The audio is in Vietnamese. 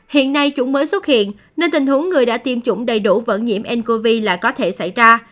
hiện nay chủng mới xuất hiện nên tình huống người đã tiêm chủng đầy đủ vẫn nhiễm ncov lại có thể xảy ra